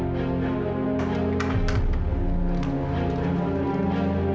seenggaknya aku aman untuk saat ini